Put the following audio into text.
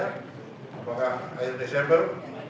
apakah akhir desember